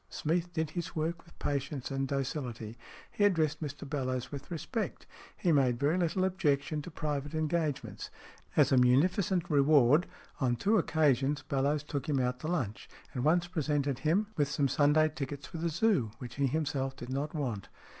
Smeath did his work with patience and docility. He addressed Mr Bellowes with respect. He made very little objection to private engagements. As a munificent reward, on two occasions Bellowes took him out to luncheon, and once presented him 36 STORIES IN GREY with some Sunday tickets for the Zoo, which he himself did not want.